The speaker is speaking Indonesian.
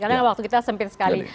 karena waktu kita sempit sekali